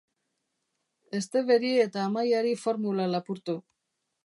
Steveri eta Amaiari formula lapurtu.